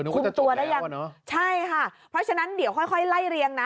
คุมตัวได้ยังเหรอใช่ค่ะเพราะฉะนั้นเดี๋ยวค่อยค่อยไล่เรียงนะ